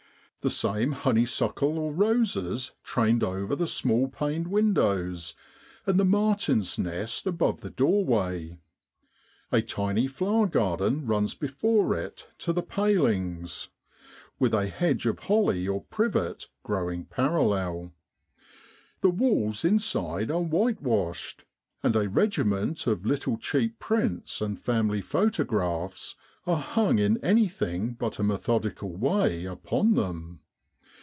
The same honeysuckle or roses trained over the small paned window, and the martin's nest above the doorway. A tiny flower garden runs before it to the pal ings, with a hedge of holly or privet growing parallel. The walls inside are white washed, and a regiment of little cheap prints and family photographs are hung in anything but a methodical way upon them.